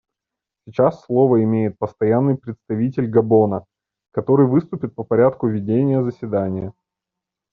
Сейчас слово имеет Постоянный представитель Габона, который выступит по порядку ведения заседания.